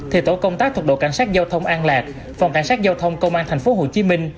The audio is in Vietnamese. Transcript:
thì tổ công tác thuộc đội cảnh sát giao thông an lạc phòng cảnh sát giao thông công an tp hcm